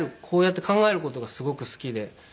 こうやって考える事がすごく好きで。